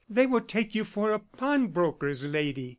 "They will take you for a pawnbroker's lady!"